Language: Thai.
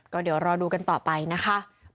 ก็เดี๋ยวรอดูกันต่อไปนะคะ